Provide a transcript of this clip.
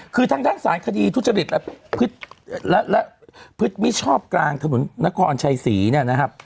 คือทั้งสารคดีทุจริตและพฤตมิชอบกลางถนนนครชัยศรีนะครับ